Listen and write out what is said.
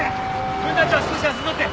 分団長は少し休んどって。